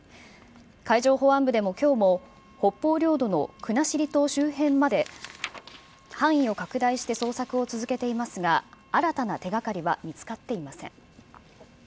海上保安部でも、きょうも北方領土の国後島周辺まで範囲を拡大して捜索を続けていますが、新たな手がかりは見つかっていません。